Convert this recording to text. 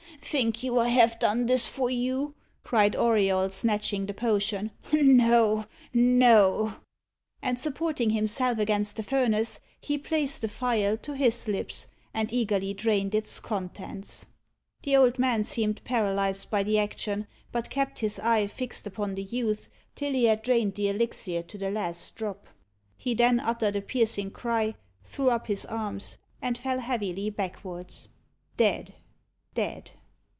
"Think you I have done this for you?" cried Auriol, snatching the potion; "no no." And, supporting himself against the furnace, he placed the phial to his lips, and eagerly drained its contents. The old man seemed paralysed by the action, but kept his eye fixed upon the youth till he had drained the elixir to the last drop. He then uttered a piercing cry, threw up his arms, and fell heavily backwards. Dead dead!